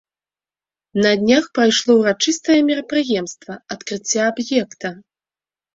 На днях прайшло ўрачыстае мерапрыемства адкрыцця аб'екта.